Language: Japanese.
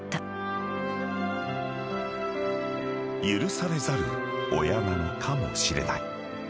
［許されざる親なのかもしれない］